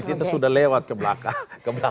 kita sudah lewat ke belakang